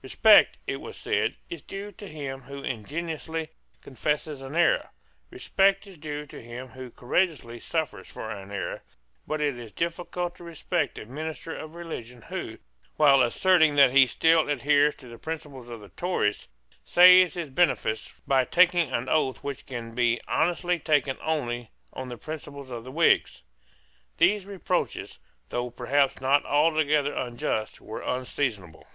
Respect, it was said, is due to him who ingenuously confesses an error; respect is due to him who courageously suffers for an error; but it is difficult to respect a minister of religion who, while asserting that he still adheres to the principles of the Tories, saves his benefice by taking an oath which can be honestly taken only on the principles of the Whigs. These reproaches, though perhaps not altogether unjust, were unseasonable.